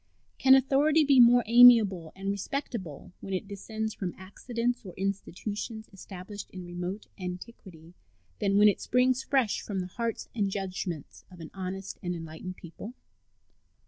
Can authority be more amiable and respectable when it descends from accidents or institutions established in remote antiquity than when it springs fresh from the hearts and judgments of an honest and enlightened people?